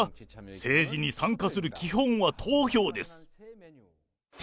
政治に参加する基本は投票です。